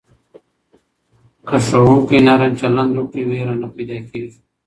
که ښوونکی نرم چلند وکړي، ویره نه پیدا کېږي.